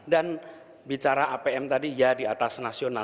dan bicara apm tadi ya di atas nasional